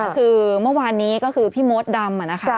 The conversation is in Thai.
คือเมื่อวานนี้ก็คือพี่มดดำนะคะ